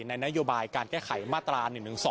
นโยบายการแก้ไขมาตรา๑๑๒